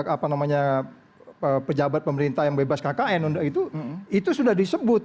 apa namanya pejabat pemerintah yang bebas kkn itu sudah disebut